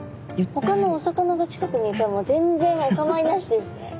ほかのお魚が近くにいても全然お構いなしですね。